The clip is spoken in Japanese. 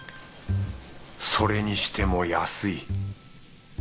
それにしても安い。